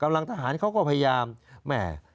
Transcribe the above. กำลังทหารเขาก็พยายาม